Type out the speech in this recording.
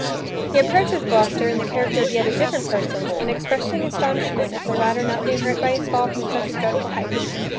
He approaches Gloucester, in the character of yet a different person, and expressing astonishment at the latter not being hurt by his fall from such a dreadful height.